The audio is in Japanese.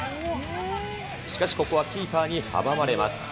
しかしここはキーパーに阻まれます。